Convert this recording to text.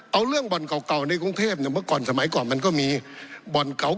เอาเรื่องบ่อนเก่าในกรุงเทพเนี่ยเมื่อก่อนสมัยก่อนมันก็มีบ่อนเก่า